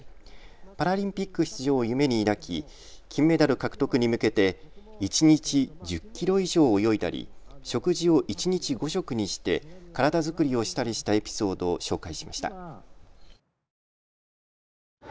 パラリンピック出場を夢に抱き、金メダル獲得に向けて一日１０キロ以上泳いだり食事を一日５食にして体作りをしたりしたエピソードを紹介しました。